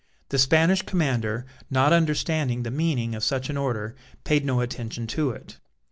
The Spanish commander, not understanding the meaning of such an order, paid no attention to it.